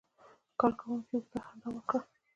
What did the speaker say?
کارکونکي اوږده خندا وکړه.